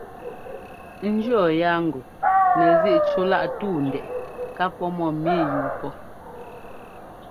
N jʉɔ́ yaa ŋgɔ nɛzíꞌ cúláꞌ túu ndɛꞌɛ ká pɔ́ mɔ́mǐ yúu pɔ́.